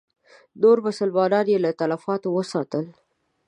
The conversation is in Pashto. نور مسلمانان یې له تلفاتو وساتل.